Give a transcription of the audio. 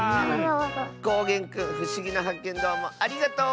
こうげんくんふしぎなはっけんどうもありがとう！